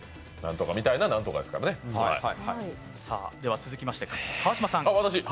続きまして川島さん。